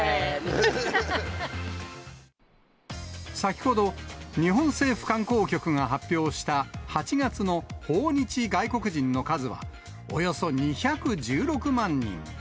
先ほど、日本政府観光局が発表した、８月の訪日外国人の数は、およそ２１６万人。